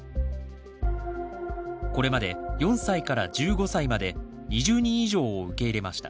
これまで４歳から１５歳まで２０人以上を受け入れました。